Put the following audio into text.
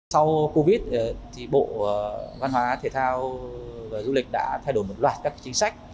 sau covid thì bộ văn hóa thể thao và du lịch đã thay đổi một loạt các chính sách